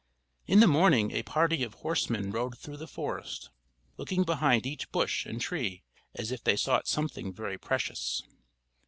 In the morning a party of horsemen rode through the forest, looking behind each bush and tree as if they sought something very precious.